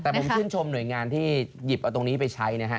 แต่ผมชื่นชมหน่วยงานที่หยิบเอาตรงนี้ไปใช้นะฮะ